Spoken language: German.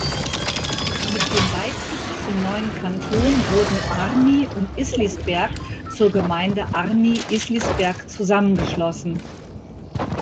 Mit dem Beitritt zum neuen Kanton wurden Arni und Islisberg zur Gemeinde Arni-Islisberg zusammengeschlossen.